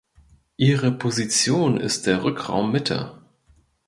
Ihre Position ist der Rückraum Mitte.